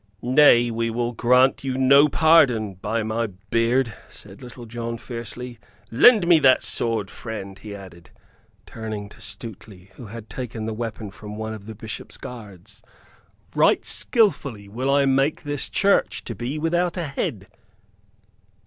"Nay, we will grant you no pardon, by my beard!" said Little John, fiercely. "Lend me that sword, friend," he added, turning to Stuteley, who had taken the weapon from one of the Bishop's guards. "Right skilfully will I make this church to be without a head."